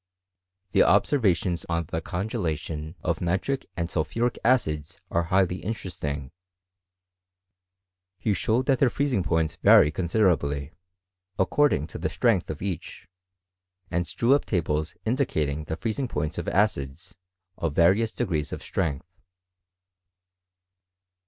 The observations on the congelation of nitric and sulphuric acids are highly interesting : he showed that their freezing points vary considerably* according to the strength of each ; and drew up tables indicating the freezing points of acids, of various de * grees of strength.